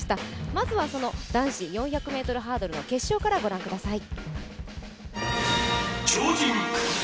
まずはその男子４００ｍハードルの決勝からご覧ください。